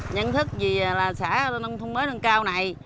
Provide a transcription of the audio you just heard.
nhân thức vì xã nông thôn mới nâng cao này